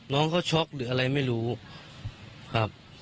น้องเขาช็อกหรืออะไรไม่รู้ครับ